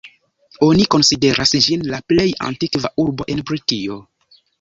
Oni konsideras ĝin la plej antikva urbo en Britio.